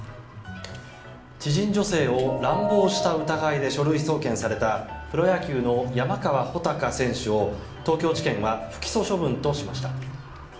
知人女性を乱暴した疑いで書類送検されたプロ野球の山川穂高選手を東京地検は不起訴処分としました。